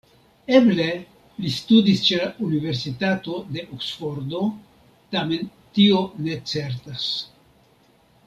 Eble li studis ĉe la Universitato de Oksfordo, tamen tio ne certas.